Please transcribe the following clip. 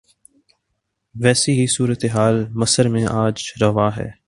ویسی ہی صورتحال مصر میں آج روا ہے۔